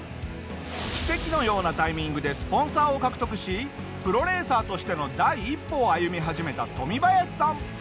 奇跡のようなタイミングでスポンサーを獲得しプロレーサーとしての第一歩を歩み始めたトミバヤシさん。